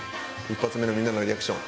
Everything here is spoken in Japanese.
一発目のみんなのリアクション。